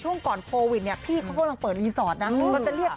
ช่วงก่อนโควิดเนี่ย